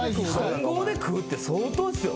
３５で食うって相当っすよ。